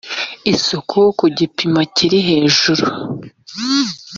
isukura ku gipimo kiri hejuru